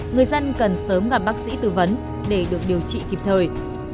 người dân cần sớm gặp bác sĩ tư vấn để được điều trị kịp thời